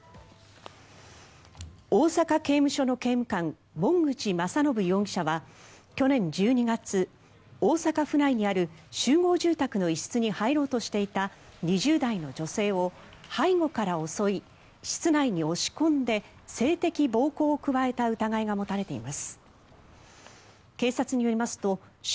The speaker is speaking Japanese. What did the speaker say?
大阪刑務所の刑務官門口雅信容疑者は去年１２月大阪府内にある集合住宅の一室に入ろうとしていた２０代の女性を背後から襲い室内に押し込んで性的暴行を加えた疑いが持たれています。